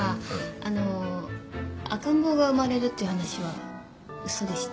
あの赤ん坊が生まれるっていう話は嘘でした。